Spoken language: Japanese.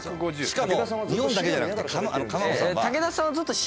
しかも日本だけじゃなくて釜本さんは。